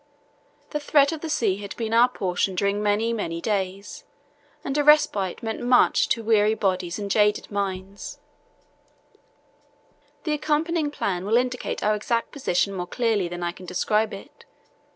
The threat of the sea had been our portion during many, many days, and a respite meant much to weary bodies and jaded minds. The accompanying plan will indicate our exact position more clearly than I can describe it.